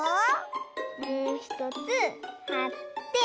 もうひとつはって。